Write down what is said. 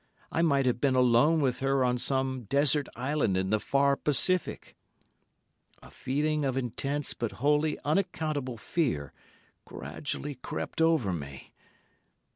I might have been alone with her on some desert island in the far Pacific. A feeling of intense but wholly unaccountable fear gradually crept over me.